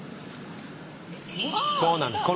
そうなんです。